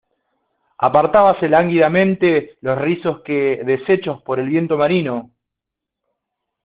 apartábase lánguidamente los rizos que, deshechos por el viento marino